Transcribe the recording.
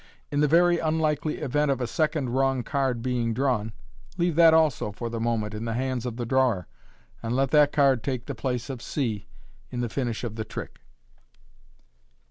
In the very unlikely event of a second wrong card being drawn, leave that also for the moment in the hands of the drawer, and let that card take the place of c in the finish of the trick.